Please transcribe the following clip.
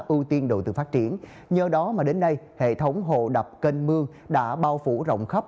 ưu tiên đầu tư phát triển nhờ đó mà đến nay hệ thống hồ đập kênh mương đã bao phủ rộng khắp